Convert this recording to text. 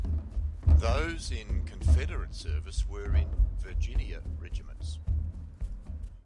Those in Confederate service were in "Virginia" regiments.